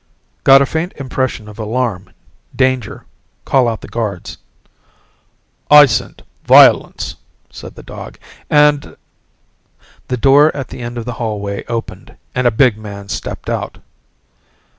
"Got a faint impression of alarm, danger, call out the guards." "I scent violence," said the dog. "And " The door at the end of the hallway opened and a big man stepped out.